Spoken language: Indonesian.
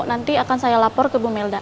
nanti akan saya lapor ke bu melda